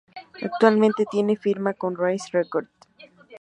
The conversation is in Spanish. Actualmente tienen firma con Rise Records.